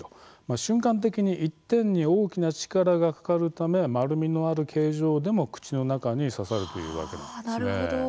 瞬間的に一点に大きな力がかかるため丸みのある形状でも口の中に刺さるというわけなんです。